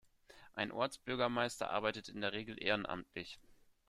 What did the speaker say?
Ein Ortsbürgermeister arbeitet in der Regel ehrenamtlich.